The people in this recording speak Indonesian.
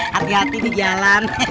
hati hati di jalan